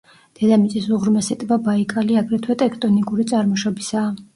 დედამიწის უღრმესი ტბა ბაიკალი აგრეთვე ტექტონიკური წარმოშობისაა.